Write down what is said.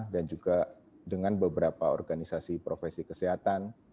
dan juga dengan beberapa organisasi profesi kesehatan